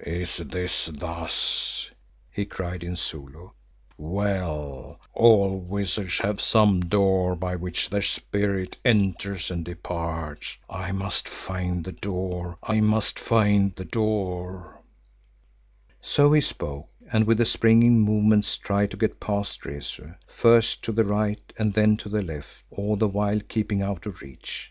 "Is it thus!" he cried in Zulu. "Well, all wizards have some door by which their Spirit enters and departs. I must find the door, I must find the door!" So he spoke and with springing movements tried to get past Rezu, first to the right and then to the left, all the while keeping out of reach.